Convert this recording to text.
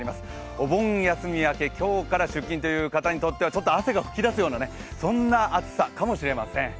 お盆休み明け今日から出勤という方にとっては汗が噴き出すようなそんな暑さかもしれません。